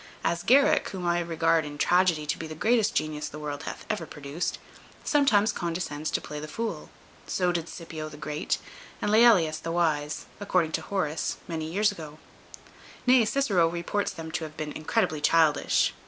As Garrick, whom I regard in tragedy to be the greatest genius the world hath ever produced, sometimes condescends to play the fool; so did Scipio the Great, and Laelius the Wise, according to Horace, many years ago; nay, Cicero reports them to have been "incredibly childish."